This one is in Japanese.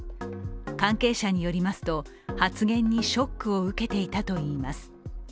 関係者によりますと、発言にショックを受けていたといいます。